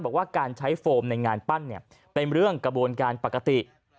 บอกว่าการใช้โฟมในงานปั้นเป็นเรื่องกระบวนการปกติ